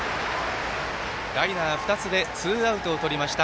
ライナー２つでツーアウトをとりました。